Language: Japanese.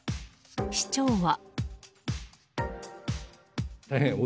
市長は。